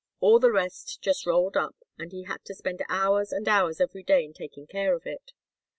All the rest just rolled up, and he had to spend hours and hours every day in taking care of it.